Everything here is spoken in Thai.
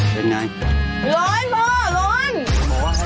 เป็นอย่างไร